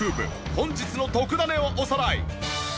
本日の特ダネをおさらい。